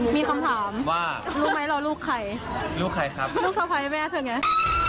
มีคำถามว่ารู้ไหมเราลูกใครลูกใครครับลูกสะพ้ายแม่เธอไง